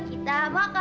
kita makan dulu